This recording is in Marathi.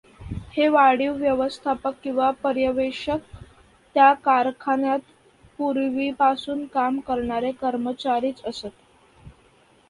हे वाढीव व्यवस्थापक किंवा पर्यवेक्षक त्या कारखान्यात पूर्वीपासून काम करणारे कर्मचारीच असत.